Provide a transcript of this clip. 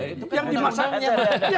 itu kan undang undangnya